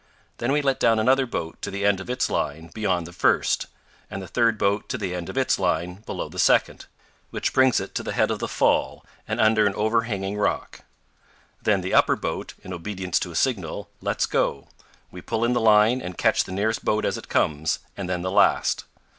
Then we let down another boat to the end of its line beyond the first, and the third boat to the end of its line below the second, which brings it to the head of the fall and under an overhanging rock. Then the upper boat, in obedience to a signal, lets go; we pull in the line and catch the nearest boat as it comes, and then the last.